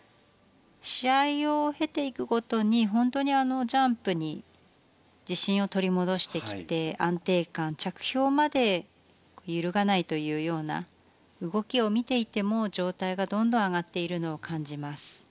試合を経ていくごとに、本当にジャンプに自信を取り戻してきて安定感着氷まで揺るがないというような動きを見ていても状態がどんどん上がっているのを感じます。